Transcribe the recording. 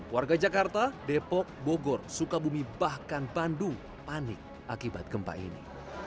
warga jakarta depok bogor sukabumi bahkan bandung panik akibat gempa ini